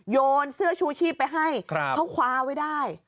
โยนเสื้อชูชีพไปให้เขาคว้าไว้ได้